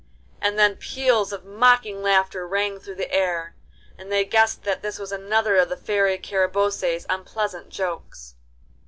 And then peals of mocking laughter rang through the air, and they guessed that this was another of the Fairy Carabosse's unpleasant jokes.